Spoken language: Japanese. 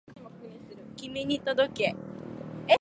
君に届け